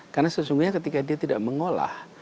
karena sesungguhnya ketika dia tidak mengolah